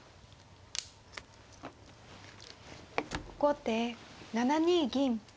後手７二銀。